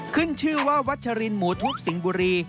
ขึ้นชื่อว่าวัชรินหมูทุบสิงห์บุรี